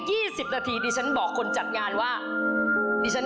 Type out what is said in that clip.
ของท่านได้เสด็จเข้ามาอยู่ในความทรงจำของคน๖๗๐ล้านคนค่ะทุกท่าน